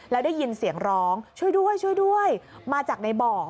แล้วได้ยินเสียงร้องช่วยด้วยมาจากในบ่อ